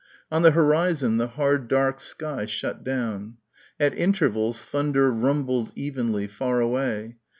On the horizon the hard dark sky shut down. At intervals thunder rumbled evenly, far away.